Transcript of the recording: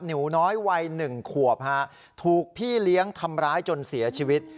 หนูน้อยวัย๑ขวบฮะถูกพี่เลี้ยงทำร้ายจนเสียชีวิต